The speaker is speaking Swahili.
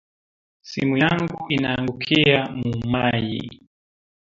Simu yangu inaangukia mu mayi